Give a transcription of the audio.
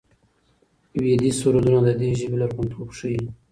ویدي سرودونه د دې ژبې لرغونتوب ښيي.